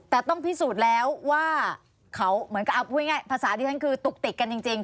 แต่ต้องพิสูจน์แล้วว่าเขาเหมือนกับเอาพูดง่ายภาษาที่ฉันคือตุกติดกันจริง